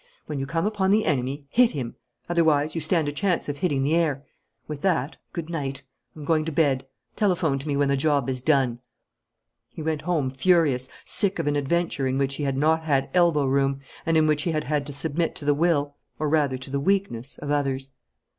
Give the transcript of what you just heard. When you come upon the enemy, hit him. Otherwise, you stand a chance of hitting the air. With that, good night. I'm going to bed. Telephone to me when the job is done." He went home, furious, sick of an adventure in which he had not had elbow room, and in which he had had to submit to the will, or, rather, to the weakness of others.